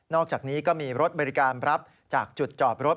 อกจากนี้ก็มีรถบริการรับจากจุดจอดรถ